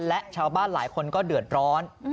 และชาวบ้านหลายคนก็เดือดร้อน